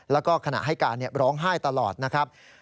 แล้วก็ขณะให้การร้องไห้ตลอดนะครับ